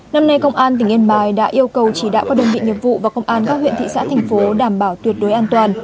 năm nay công an tỉnh yên bài đã yêu cầu chỉ đạo các đơn vị nghiệp vụ và công an các huyện thị xã thành phố đảm bảo tuyệt đối an toàn